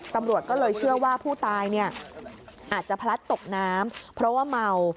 ตำรวจก็เลยเชื่อว่าผู้ตายเนี่ยอาจจะพลัดตกน้ำเพราะว่าเมา